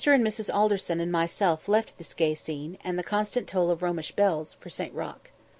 and Mrs. Alderson and myself left this gay scene, and the constant toll of Romish bells, for St. Roch.